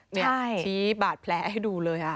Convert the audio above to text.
ให้เราชี้บัตรแพลกให้ดูเลย